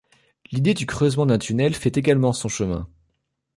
L'idée du creusement d'un tunnel fait également son chemin.